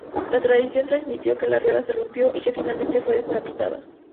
La tradición transmitió que la rueda se rompió y que finalmente fue decapitada.